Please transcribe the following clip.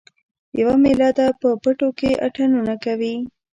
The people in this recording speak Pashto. یوه میله ده په پټو کې اتڼونه کوي